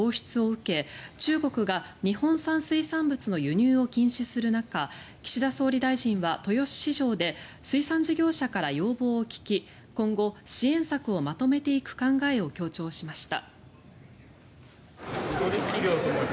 福島第一原発の処理水の海への放出を受け中国が日本産水産物の輸入を禁止する中岸田総理大臣は豊洲市場で水産事業者から要望を聞き今後、支援策をまとめていく考えを強調しました。